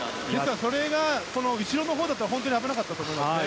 それが、後ろのほうだったら本当に危なかったと思います。